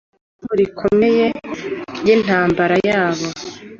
Nicumu rikomeye ryintambara yabo